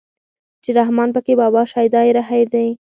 چې رحمان پکې بابا شيدا يې هېر دی